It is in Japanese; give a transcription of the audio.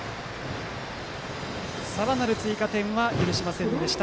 さらなる追加点は許しませんでした、